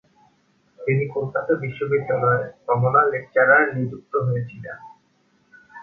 তিনি কলকাতা বিশ্ববিদ্যালয়ের কমলা লেকচারার নিযুক্ত হয়েছিলেন।